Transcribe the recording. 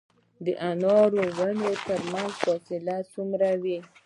د انارو د ونو ترمنځ فاصله څومره وي؟